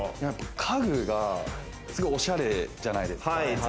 家具が、すごくオシャレじゃないですか。